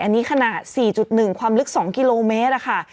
อันนี้ขนาด๔๑ความลึก๒กิโลเมตรค่ะ